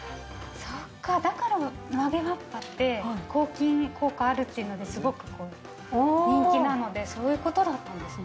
そっかだから曲げわっぱって抗菌効果あるっていうのですごく人気なのでそういうことだったんですね。